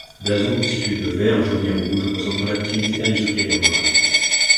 Blason constitué de vert, jaune et rouge, représentant l'activité industrielle et rurale.